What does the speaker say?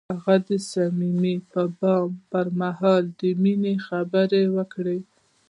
هغه د صمیمي بام پر مهال د مینې خبرې وکړې.